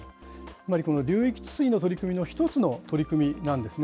つまり流域治水の取り組みの一つの取り組みなんですね。